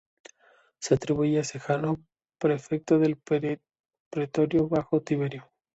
Se atribuye a Sejano, Prefecto del pretorio bajo Tiberio.